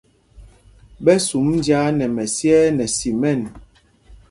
Ɓɛ sum njāā nɛ mɛsyɛɛ nɛ simɛn.